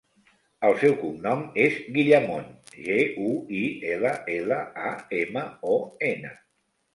El seu cognom és Guillamon: ge, u, i, ela, ela, a, ema, o, ena.